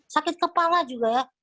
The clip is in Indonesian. sakit kepala juga ya